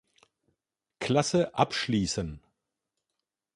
Klasse abschließen.